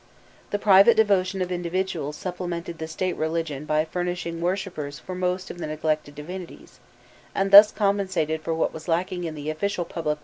The private devotion of individuals supplemented the State religion by furnishing worshippers for most of the neglected divinities, and thus compensated for what was lacking in the official public worship of the community.